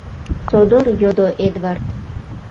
— содор йодо Эдвард.